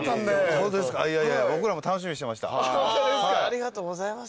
ありがとうございます。